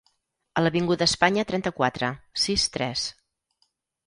A l'avinguda espanya, trenta-quatre, sis-tres.